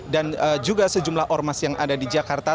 dan juga sejumlah ormas yang ada di jakarta